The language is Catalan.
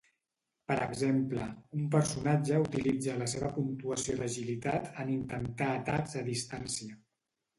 Per exemple, un personatge utilitza la seva puntuació d'agilitat en intentar atacs a distància.